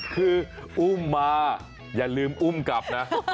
คืออุ้มมาอย่าลืมอุ้มกลับนะ